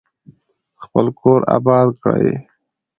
خپل کور اباد کړئ.